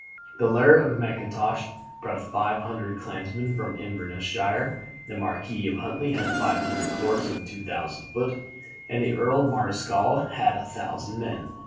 The Laird of Mackintosh brought five hundred clansmen from Inverness shire, the Marquis of Huntly had five hundred horse and two thousand foot, and the Earl Marischal had a thousand men.